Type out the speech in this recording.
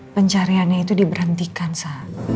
pencariannya itu diberhentikan sa